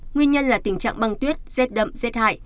nguyên nhân là tình trạng băng tuyết rét đậm rét hại